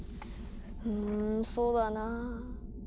うんそうだなぁ。